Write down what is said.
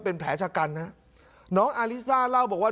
เป็นแผลชะกันฮะน้องอาลิซ่าเล่าบอกว่า